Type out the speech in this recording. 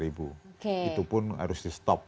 itu pun harus di stop